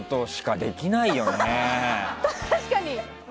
確かに！